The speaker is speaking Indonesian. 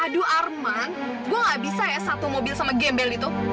aduh arman gue gak bisa ya satu mobil sama gembel itu